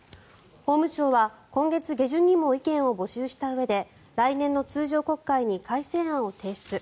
法務省は今月下旬にも意見を募集したうえで来年の通常国会に改正案を提出。